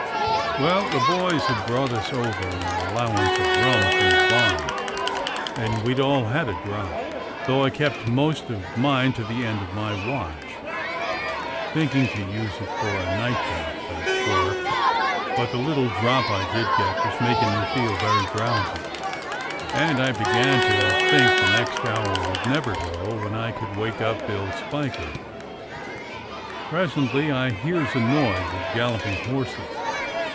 "Well, the boys had brought us over our allowance of rum from the barn, and we'd all had a drop, though I kept most of mine to the end of my watch, thinking to use it for a nightcap, as 'twere, but the little drop I did get was making me feel very drowsy, and I began to think the next hour would never go, when I could wake up Bill Spiker. Presently I hears a noise of galloping horses.